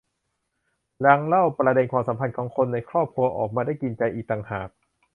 ยังเล่าประเด็นความสัมพันธ์ของคนในครอบครัวออกมาได้กินใจอีกต่างหาก